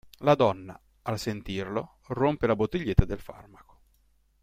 La donna, al sentirlo, rompe la bottiglietta del farmaco.